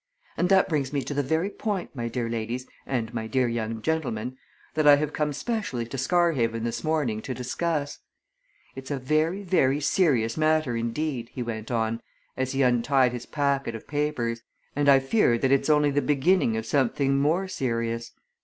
And that brings me to the very point, my dear ladies and my dear young gentleman, that I have come specially to Scarhaven this morning to discuss. It's a very, very serious matter indeed," he went on as he untied his packet of papers, "and I fear that it's only the beginning of something more serious.